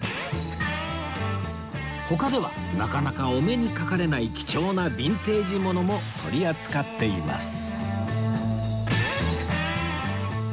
他ではなかなかお目にかかれない貴重なビンテージ物も取り扱っています